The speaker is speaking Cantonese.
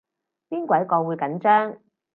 邊鬼個會緊張